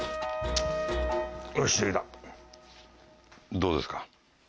どうですか？